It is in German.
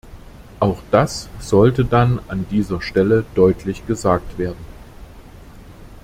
Auch das sollte dann an dieser Stelle deutlich gesagt werden.